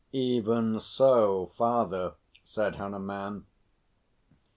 "Even so, father," said Hanuman.